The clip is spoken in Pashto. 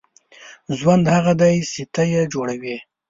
• ژوند هغه دی چې ته یې جوړوې.